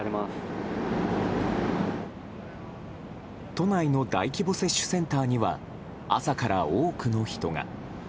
都内の大規模接種センターには朝から多くの人が。